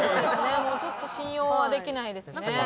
もうちょっと信用はできないですね。